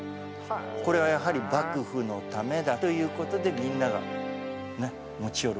これはやはり幕府のためだということでみんながね持ち寄るわけです。